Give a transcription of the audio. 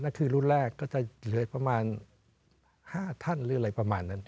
ก็คือรุ่นแรกก็จะเหลือประมาณ๕ท่านหรืออะไรประมาณนั้น